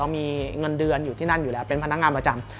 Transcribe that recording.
มีเงินเดือนอยู่ที่นั่นอยู่แล้วเป็นพนักงานประจำ